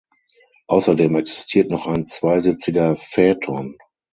Außerdem existiert noch ein zweisitziger Phaeton.